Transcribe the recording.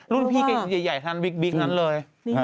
รุ่นพี่เก่งใหญ่ทางบิ๊กนั้นเลย